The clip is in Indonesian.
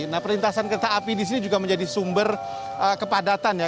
nah perlintasan kereta api di sini juga menjadi sumber kepadatan ya